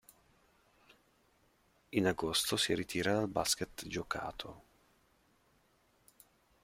In agosto si ritira dal basket giocato..